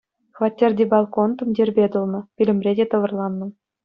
Хваттерти балкон тумтирпе тулнӑ, пӳлӗмре те тӑвӑрланнӑ.